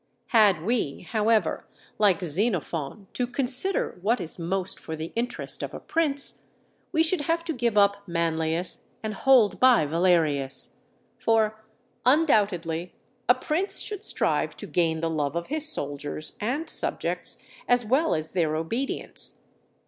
Had we, however, like Xenophon, to consider what is most for the interest of a prince, we should have to give up Manlius and hold by Valerius; for, undoubtedly, a prince should strive to gain the love of his soldiers and subjects, as well as their obedience.